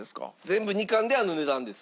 全部２貫であの値段です。